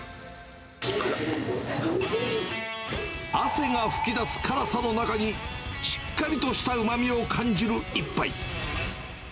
汗が噴き出す辛さの中に、しっかりとしたうまみを感じる一杯。